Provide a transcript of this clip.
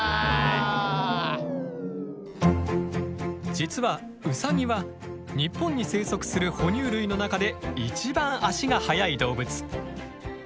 実はウサギは日本に生息する哺乳類の中で一番足が速い動物。